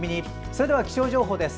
それでは気象情報です。